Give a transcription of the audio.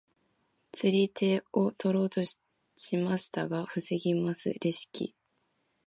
釣り手を取ろうとしますが防ぎますレシキ。